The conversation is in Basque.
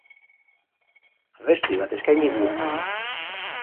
Abesti bat eskaini dio.